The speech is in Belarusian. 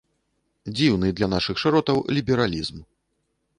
Дзіўны для нашых шыротаў лібералізм.